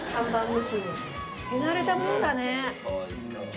手慣れたもんだね。